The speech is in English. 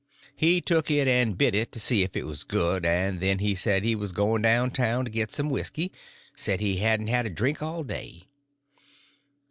He took it and bit it to see if it was good, and then he said he was going down town to get some whisky; said he hadn't had a drink all day.